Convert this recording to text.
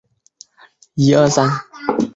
被道教的外丹和内丹派都视为重要的着作。